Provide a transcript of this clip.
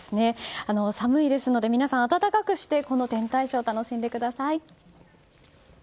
寒いですので皆さん、暖かくしてこの天体ショー楽しんでください。